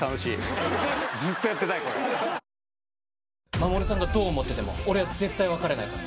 衛さんがどう思ってても俺、絶対別れないから。